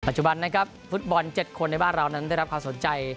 จุบันนะครับฟุตบอล๗คนในบ้านเรานั้นได้รับความสนใจ